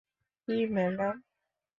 কী, madam?